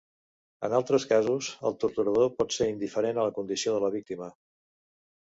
En altres casos, el torturador pot ser indiferent a la condició de la víctima.